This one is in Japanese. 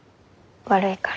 悪いから。